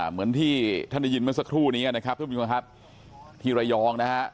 เหมือนที่ท่านได้ยินเมื่อสักครู่นี้นะครับทุกผู้ชมครับที่ระยองนะฮะ